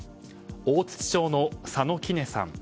大槌町の佐野キネさん